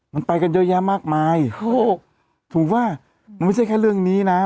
มันมีหมอดูเข้าตะมาเยอะ